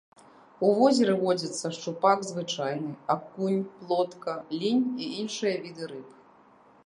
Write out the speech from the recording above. У возеры водзяцца шчупак звычайны, акунь, плотка, лінь і іншыя віды рыб.